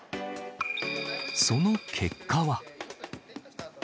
その結果は。